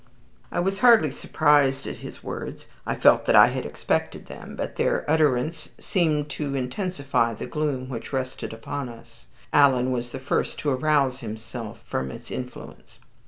I was hardly surprised at his words. I felt that I had expected them, but their utterance seemed to intensify the gloom which rested upon us. Alan was the first to arouse himself from its influence.